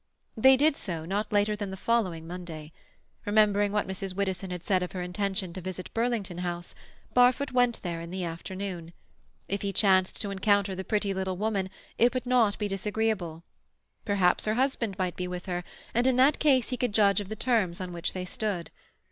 They did so not later than the following Monday. Remembering what Mrs. Widdowson had said of her intention to visit Burlington House, Barfoot went there in the afternoon. If he chanced to encounter the pretty little woman it would not be disagreeable. Perhaps her husband might be with her, and in that case he could judge of the terms on which they stood.